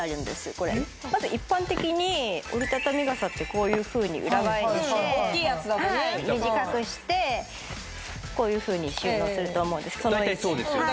これまず一般的に折りたたみ傘ってこういうふうに裏返して大きいやつだとねはい短くしてこういうふうに収納すると思うんですけど大体そうですよね